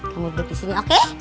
kamu duduk di sini oke